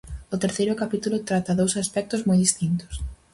O terceiro capítulo trata dous aspectos moi distintos.